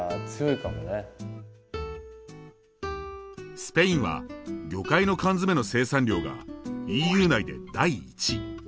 スペインは魚介の缶詰の生産量がＥＵ内で第１位。